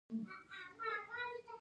راجیو ګاندي صدراعظم شو.